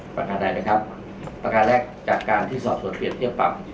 ประการใดไหมครับประการแรกจากการที่สอบสวนเปรียบเทียบปรับ